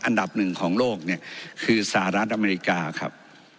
อันดับหนึ่งของโลกเนี่ยคือสหรัฐอเมริกาครับ